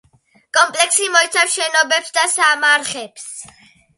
კომპლექსი მოიცავს შენობებს და სამარხებს.